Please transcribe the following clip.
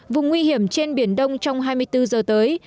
vùng nguy hiểm trên biển đông trong hai mươi bốn giờ tới